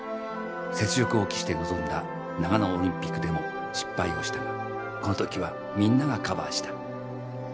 雪辱を期して臨んだ長野オリンピックでも失敗をしたがこの時はみんながカバーした。